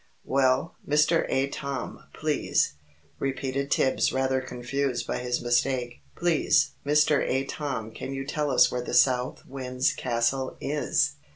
"Well, Mr. Atom, please " repeated Tibbs, rather confused by his mistake. "Please, Mr. Atom, can you tell us where the South Wind's Castle is?"